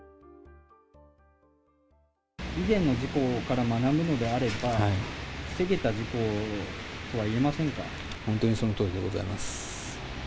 以前の事故から学ぶのであれば、本当にそのとおりでございます。